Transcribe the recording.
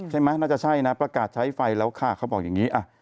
น่าจะใช่นะประกาศใช้ไฟแล้วค่ะเขาบอกอย่างนี้